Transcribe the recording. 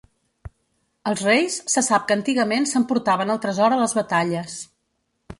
Els reis, se sap que antigament s'emportaven el tresor a les batalles.